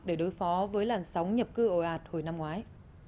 để đối phó với làn sóng nhập cư ồ ạt hồi năm ngoái